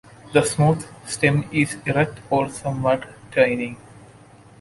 The smooth stem is erect or somewhat twining.